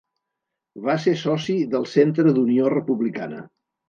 Va ser soci del Centre d'Unió Republicana.